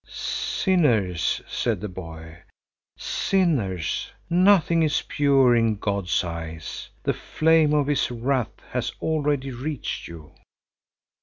"Sinners," said the boy, "sinners, nothing is pure in God's eyes. The flame of his wrath has already reached you."